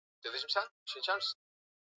Bwana uwaponye.